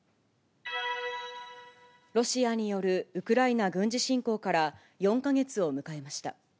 ロシアによるウクライナ軍事侵攻から４か月を迎えました。